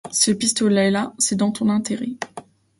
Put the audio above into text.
Ce pistolet-là, c’est dans ton intérêt.